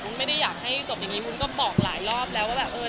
ไม่ได้อยากให้จบอย่างนี้วุ้นก็บอกหลายรอบแล้วว่าแบบเออ